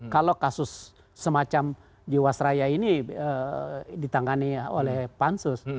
kalau kasus semacam jiwasraya ini ditangani oleh pansus